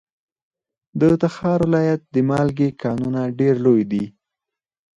د تخار ولایت د مالګې کانونه ډیر لوی دي.